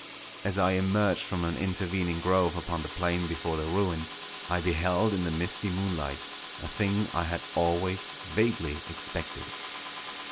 As I emerged from an intervening grove upon the plain before the ruin, I beheld in the misty moonlight a thing I had always vaguely expected.